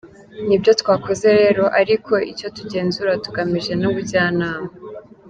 Ni byo twakoze rero, ariko icyo tugenzura tugamije ni ubujyanama.